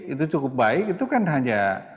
itu cukup baik itu kan hanya